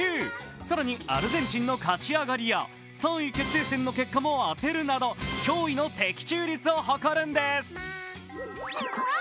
更に、アルゼンチンの勝ち上がりや３位決定戦の結果も当てるなど驚異の的中率を誇るんです。